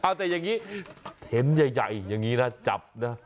เอาแต่อย่างนี้เห็นใหญ่อย่างนี้นะจับนะ